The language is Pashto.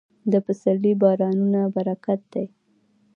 د پسرلي بارانونه برکت دی.